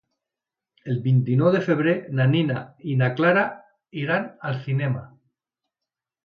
El vint-i-nou de febrer na Nina i na Clara iran al cinema.